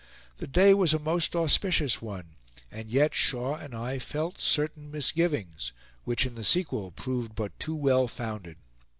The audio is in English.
The day was a most auspicious one; and yet Shaw and I felt certain misgivings, which in the sequel proved but too well founded.